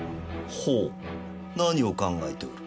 ほう何を考えておる？